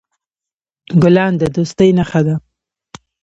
ګلان د دوستۍ نښه ده.